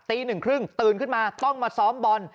หนึ่งครึ่งตื่นขึ้นมาต้องมาซ้อมบอล